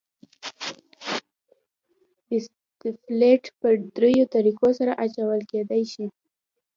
اسفالټ په دریو طریقو سره اچول کېدای شي